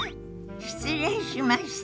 失礼しました。